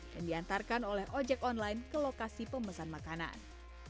dan diantarkan oleh ojek online ke lokasi pemesan makanan